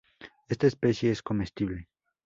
Esta especie es comestible.